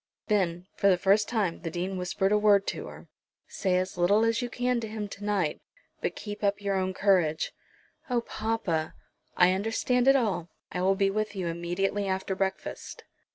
Then for the first time the Dean whispered a word to her. "Say as little as you can to him to night, but keep up your courage." "Oh, papa!" "I understand it all. I will be with you immediately after breakfast."